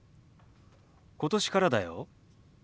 今年からだよ。